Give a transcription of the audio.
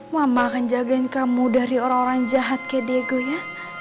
mama akan jagain kamu dari orang orang jahat kayak diego ya